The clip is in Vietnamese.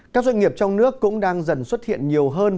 các doanh nghiệp trong nước cũng đang dần xuất hiện nhiều hơn